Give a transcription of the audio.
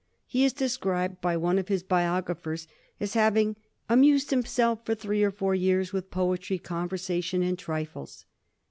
He is described by one of his biographers as having * amused himself for three or four years with poetry, conversation, and trifles.'